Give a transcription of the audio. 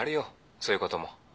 そういうことも。